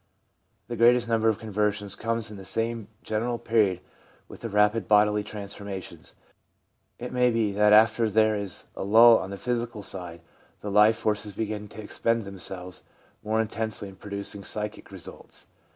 The greatest number of conversions comes in the same general period with the rapid bodily transformations. It may be that after there is a lull on the physical side the life forces begin to expend themselves more in tensely in producing psychic results.